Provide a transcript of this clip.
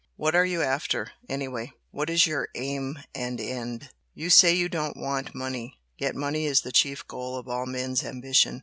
What are you after, anyway? What is your aim and end? You say you don't want money yet money is the chief goal of all men's ambition.